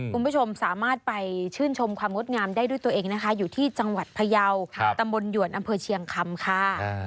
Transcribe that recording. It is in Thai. คุณผู้ชมสามารถไปชื่นชมความงดงามได้ด้วยตัวเองนะคะอยู่ที่จังหวัดพยาวตำบลหยวนอำเภอเชียงคำค่ะ